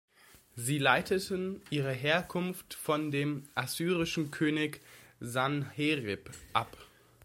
Sie leiteten ihre Herkunft von dem assyrischen König Sanherib ab.